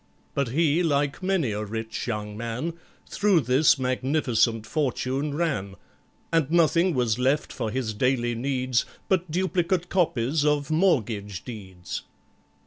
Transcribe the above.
But he, like many a rich young man, Through this magnificent fortune ran, And nothing was left for his daily needs But duplicate copies of mortgage deeds.